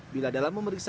bila dalam membentuknya